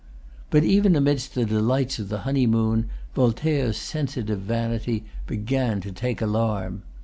But even amidst the delights of the honeymoon, Voltaire's sensitive vanity began to take alarm.